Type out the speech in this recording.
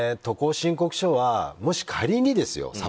渡航申告書はもし仮にですよ